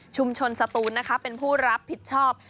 ชุมชนสตูนเป็นผู้รับผิดชอบ